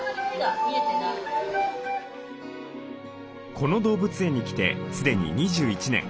この動物園に来て既に２１年。